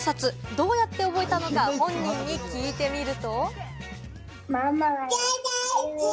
どうやって覚えたのか本人に聞いてみると。